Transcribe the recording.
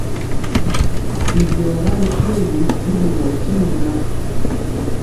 Bidiɔga ri shoégu, bi ɓorɔɔ ntimɔ ŋan.